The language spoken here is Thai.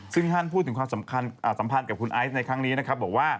ซึ่งฮั่นพูดถึงความสัมพันธ์สัมพันธ์คุณไอซ์ในครั้งนี้นะครับ